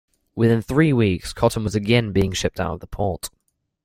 Within three weeks, cotton was again being shipped out of the port.